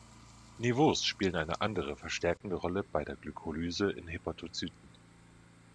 Niveaus spielen eine andere verstärkende Rolle bei der Glykolyse in Hepatozyten.